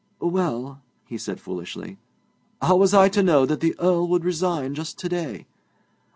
'Well,' he said foolishly, 'how was I to know that the Earl would resign just to day?'